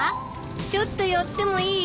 ちょっと寄ってもいい？